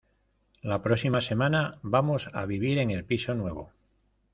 La próxima semana vamos a vivir en el piso nuevo.